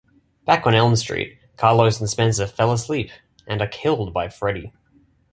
Back on Elm Street, Carlos and Spencer fall asleep and are killed by Freddy.